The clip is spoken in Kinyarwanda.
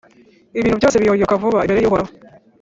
ibintu byose biyoyoka vuba imbere y’Uhoraho.